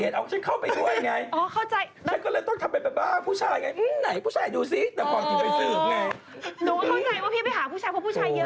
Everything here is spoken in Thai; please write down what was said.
หนูเข้าใจว่าพี่ไปหาผู้ชายเพราะผู้ชายเยอะมากเลย